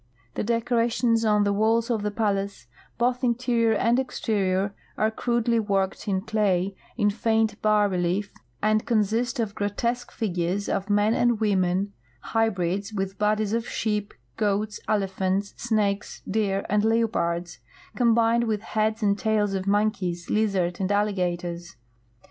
The decorations on the walls 14 THE GOLD COAST, ASHANTI, AND KUMASSI of the palace, both interior and exterior, are crudely worked in clay in faint bas relief, and consist of grotesque figures of men and women, hybrids, with bodies of sheep, goats, elejdiantsj snakes, deer, and leopards combined with heads and tails of monkeys, lizards, and alligators.